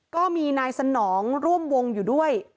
ก็มีนายสนองร่วมวงอยู่ด้วย